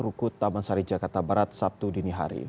rukut taman sari jakarta barat sabtu dini hari